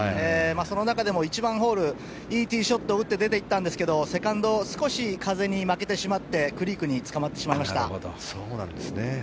その中でも１番ホールいいティーショットを打って出ていったんですけどセカンド少し風に負けてしまってクリークにつかまってしまいました。